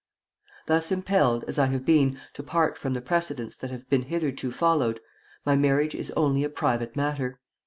Thus impelled, as I have been, to part from the precedents that have been hitherto followed, my marriage is only a private matter.